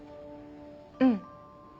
うん。